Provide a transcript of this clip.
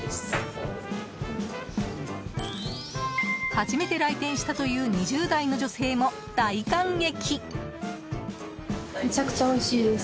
初めて来店したという２０代の女性も大感激。